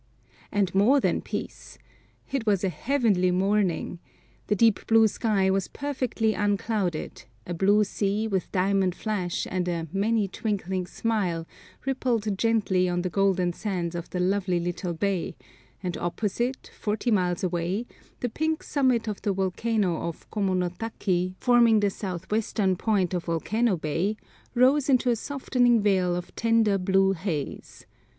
AND more than peace. It was a heavenly morning. The deep blue sky was perfectly unclouded, a blue sea with diamond flash and a "many twinkling smile" rippled gently on the golden sands of the lovely little bay, and opposite, forty miles away, the pink summit of the volcano of Komono taki, forming the south western point of Volcano Bay, rose into a softening veil of tender blue haze.